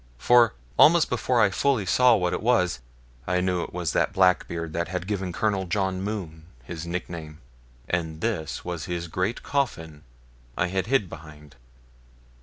For, almost before I fully saw what it was, I knew it was that black beard which had given Colonel John Mohune his nickname, and this was his great coffin I had hid behind.